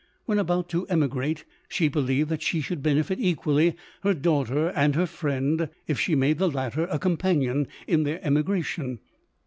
When about to emigrate, she believed that she should benefit equally her daughter and her friend, if she made the latter a companion in their emigration.